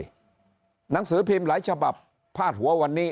หนังสือพิมพ์หลายฉบับพาดหัววันนี้